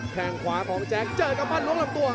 แค่งขวาของแจ๊คเจอกำปั้นลงลำตัว